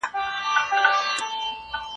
پوښتنې د انسان په فکر کي روښانتیا راولي.